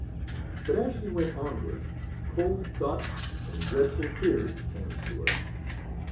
But, as she went onward, "cold thoughts and dreadful fears" came to her.